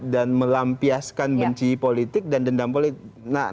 dan melampiaskan benci politik dan dendam politik